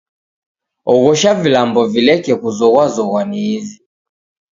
Oghosha vilambo vileke kuzoghwazoghwa ni izi.